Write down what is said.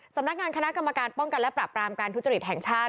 สำนักงานคณะกรรมการป้องกันและปรับปรามการทุจริตแห่งชาติ